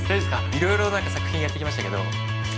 いろいろなんか作品やってきましたけどいっ